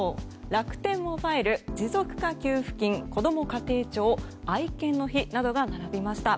楽天モバイル、持続化給付金こども家庭庁、愛犬の日などが並びました。